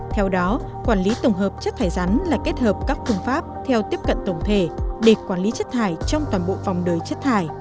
theo đó quản lý tổng hợp chất thải rắn là kết hợp các phương pháp theo tiếp cận tổng thể để quản lý chất thải trong toàn bộ phòng đời chất thải